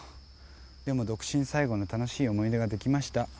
でも独身最後の楽しい思い出ができました。